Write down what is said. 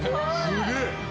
すげえ！